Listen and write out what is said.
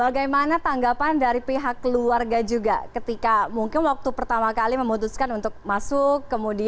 bagaimana tanggapan dari pihak keluarga juga ketika mungkin waktu pertama kali memutuskan untuk masuk